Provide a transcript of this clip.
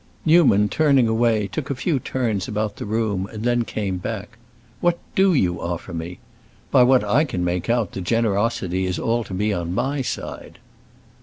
Newman, turning away, took a few turns about the room and then came back. "What do you offer me? By what I can make out, the generosity is all to be on my side."